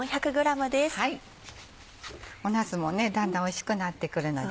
なすもだんだんおいしくなってくるので。